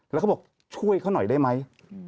แล้วเขาบอกช่วยเขาหน่อยได้ไหม